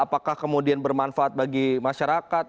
apakah kemudian bermanfaat bagi masyarakat